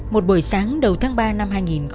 một buổi sáng đầu tháng ba năm hai nghìn một mươi bảy